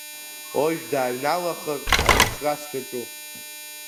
Ожә дааҩналахыр, аӡахра сшаҿу!